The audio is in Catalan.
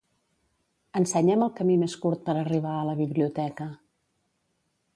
Ensenya'm el camí més curt per arribar a la biblioteca.